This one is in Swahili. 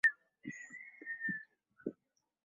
Baada ya kupokewa kwa shangwe kabla ya sherehe ya Pasaka